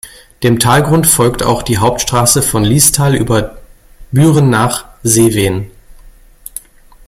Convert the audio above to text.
Dem Talgrund folgt auch die Hauptstraße von Liestal über Büren nach Seewen.